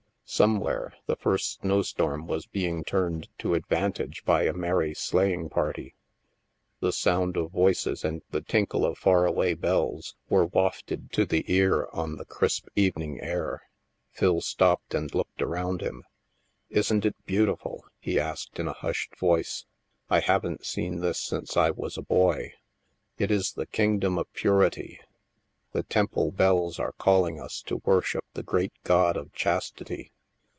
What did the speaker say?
Somewhere, the first snowstorm was being turned to advantage by a merry sleighing party — the sound of voices and the tinkle of far away bells were wafted to the ear on the crisp evening air. Phil stopped and looked around him. Isn't it beautiful? " he asked in a hushed voice. " I haven't seen this since I was a boy. It is the Kingdom of Purity; the temple bells are calling us to worship the great God of Chastity